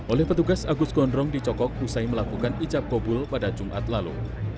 oleh petugas agus gondrong dicokok usai melakukan ijab kobul pada jumat lalu